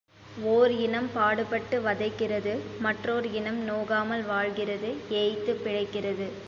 ஓர் இனம் பாடுபட்டு வதைகிறது மற்றோர் இனம் நோகாமல் வாழ்கிறது ஏய்த்துப் பிழைக்கிறது.